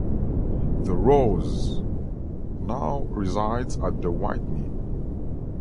"The Rose" now resides at the Whitney.